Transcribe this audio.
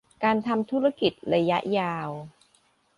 การทำธุรกิจระยะยาว